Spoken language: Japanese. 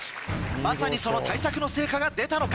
まさにその対策の成果が出たのか。